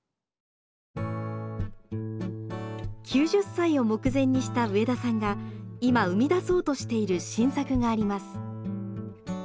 ９０歳を目前にした植田さんが今生み出そうとしている新作があります。